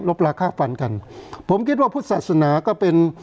ลาค่าฟันกันผมคิดว่าพุทธศาสนาก็เป็น